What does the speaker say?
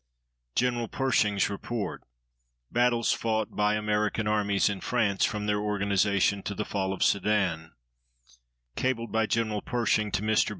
GENERAL PERSHING'S REPORT BATTLES FOUGHT BY AMERICAN ARMIES IN FRANCE FROM THEIR ORGANIZATION TO THE FALL OF SEDAN [CABLED BY GENERAL PERSHING TO MR.